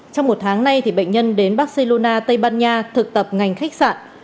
trong một tháng nay bệnh nhân đến barcelona tây ban nha thực tập ngành khách sạn